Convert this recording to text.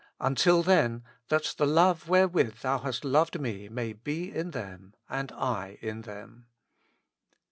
Until then, "that the love wherewith Thou hast loved me may be in them, and I in them."